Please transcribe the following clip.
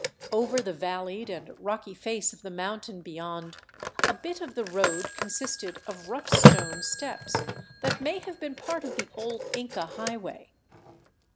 Over the valleyed and rocky face of the mountain beyond, a bit of the road consisted of rough stone steps that may have been part of the old Inca highway.